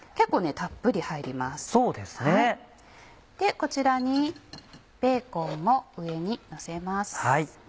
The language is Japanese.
こちらにベーコンも上にのせます。